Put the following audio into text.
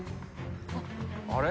あれ？